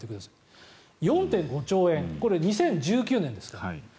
４．５兆円これ２０１９年ですから。